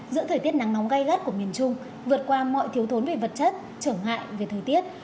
giữa thời tiết nắng nóng gai gắt của miền trung vượt qua mọi thiếu thốn về vật chất trở ngại về thời tiết